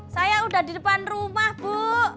saya udah di depan rumah bu